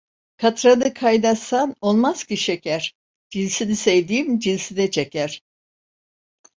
Katranı kaynatsan olmaz ki şeker, cinsini sevdiğim cinsine çeker.